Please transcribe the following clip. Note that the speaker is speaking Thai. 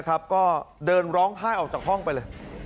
ก็เดินร้องไห้ออกจากห้องไปเลย